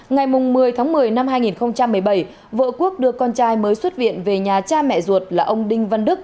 ngày một mươi tháng một mươi năm hai nghìn một mươi bảy vợ quốc đưa con trai mới xuất viện về nhà cha mẹ ruột là ông đinh văn đức